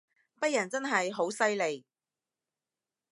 北人真係好犀利